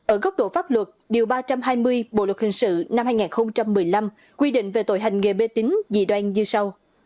ở góc độ pháp luật điều ba trăm hai mươi bộ luật hình sự năm hai nghìn một mươi năm quy định về tội hành nghề mê tính dị đoan như sau